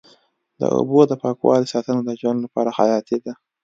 د اوبو د پاکوالي ساتنه د ژوند لپاره حیاتي ده.